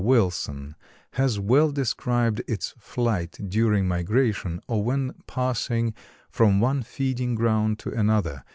Wilson has well described its flight during migration or when passing from one feeding ground to another.